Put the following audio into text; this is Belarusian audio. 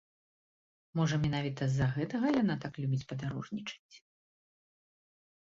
Можа, менавіта з-за гэтага яна так любіць падарожнічаць.